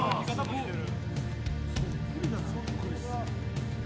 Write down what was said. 似てる！